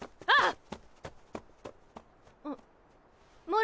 ああ。